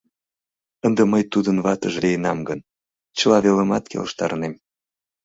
Ынде мый тудын ватыже лийынам гын, чыла велымат келыштарынем.